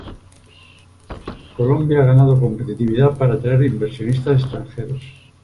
Colombia ha ganado competitividad para atraer inversionistas extranjeros.